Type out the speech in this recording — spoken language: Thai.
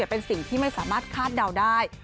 เป็นสิ่งที่ไม่สามารถคาดเดาได้